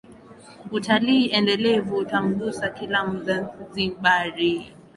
Utalii endelevu utamgusa kila Mzanzibari